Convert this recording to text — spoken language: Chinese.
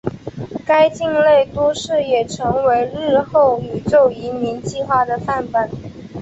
该舰内都市也成为日后宇宙移民计画的范本。